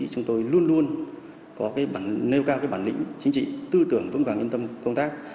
chúng tôi luôn luôn nêu cao bản lĩnh chính trị tư tưởng vững vàng yên tâm công tác